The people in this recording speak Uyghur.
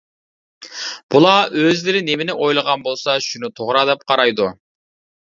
بۇلار ئۆزلىرى نېمىنى ئويلىغان بولسا شۇنى توغرا دەپ قارايدۇ.